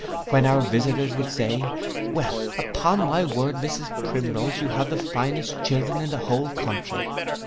When our visitors would say, 'Well, upon my word, Mrs Primrose, you have the finest children in the whole country.